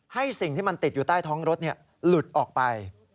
สิ่งที่มันติดอยู่ใต้ท้องรถหลุดออกไป